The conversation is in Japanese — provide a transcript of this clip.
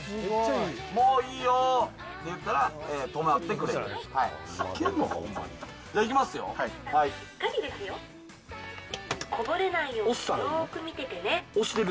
もういいよって言ったら止まってくれる。